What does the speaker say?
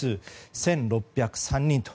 １６０３人と。